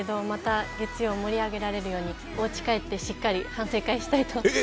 また月曜盛り上げられるようにおうち帰ってしっかり反省会したいと思う。